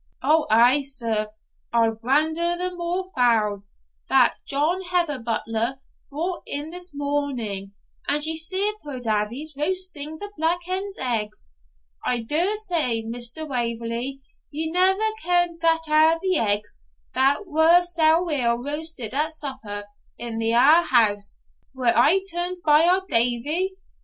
'Ou ay, sir, I'll brander the moor fowl that John Heatherblutter brought in this morning; and ye see puir Davie's roasting the black hen's eggs. I daur say, Mr. Wauverley, ye never kend that a' the eggs that were sae weel roasted at supper in the Ha' house were aye turned by our Davie?